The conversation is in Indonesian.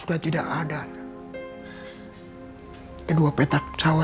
yang ketika kita memahami itu namanya allah